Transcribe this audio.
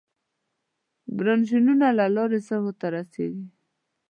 برانشونو له لارې سږو ته رسېږي.